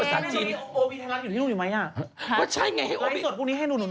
พี่เขาถามว่าเองเอาคนแรกที่ภูมิภาษาจีน